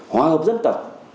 hòa hợp dân tộc